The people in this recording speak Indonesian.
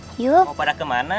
mau pada kemana